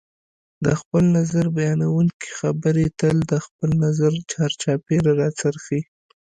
د خپل نظر بیانونکي خبرې تل د خپل نظر چار چاپېره راڅرخیږي